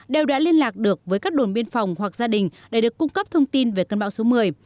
đều đã liên lạc được với các đồn biên phòng hoặc gia đình để được cung cấp thông tin về cơn bão số một mươi